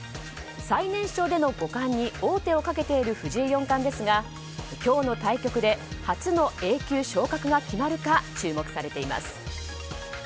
最年少での五冠に王手をかけている藤井四冠ですが今日の対局で初のＡ級昇格が決まるか注目されています。